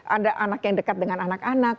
ada anak yang dekat dengan anak anak